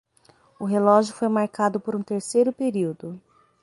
O relógio foi marcado por um terceiro período.